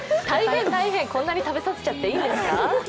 大変、大変、こんなに食べさせちゃっていいんですか。